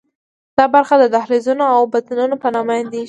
دا برخې د دهلیزونو او بطنونو په نامه یادېږي.